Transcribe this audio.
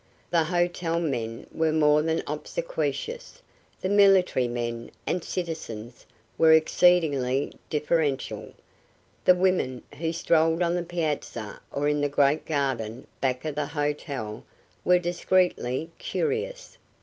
The hotel men were more than obsequious; the military men and citizens were exceedingly deferential; the women who strolled on the piazza or in the great garden back of the hotel were discreetly curious.